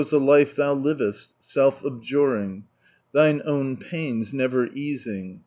the life Then liv^st—self ahjurins, Thini amn pains never easing.